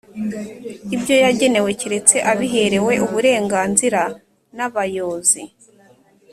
ibyo yagenewe keretse abiherewe uburenganzira na bayozi